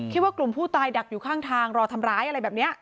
ว่ากลุ่มผู้ตายดักอยู่ข้างทางรอทำร้ายอะไรแบบนี้